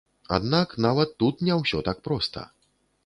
Аднак нават тут не ўсё так проста.